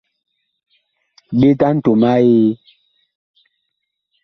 Ɓet a ntom a Eee.